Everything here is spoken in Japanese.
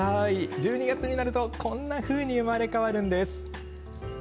１２月になると、こんなふうに生まれ変わるんです。